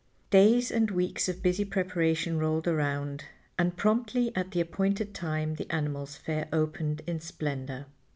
Days and weeks of busy preparation rolled around and promptly at the appointed time the Animals' Fair opened in splendor.